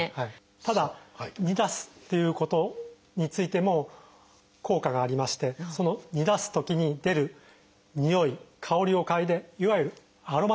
ただ煮出すっていうことについても効果がありましてその煮出すときに出るにおい香りを嗅いでいわゆるアロマテラピー的な効果があるというふうに考えられます。